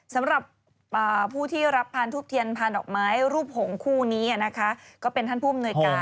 สำหรับผู้ที่รับพานทุบเทียนพานดอกไม้รูปหงคู่นี้นะคะก็เป็นท่านผู้อำนวยการ